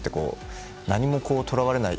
何もとらわれない